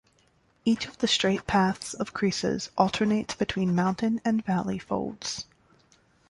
Each of the straight paths of creases alternates between mountain and valley folds.